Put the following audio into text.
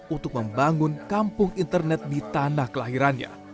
untuk membangun kampung internet di tanah kelahirannya